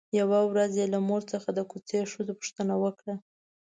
يوه ورځ يې له مور څخه د کوڅې ښځو پوښتنه وکړه.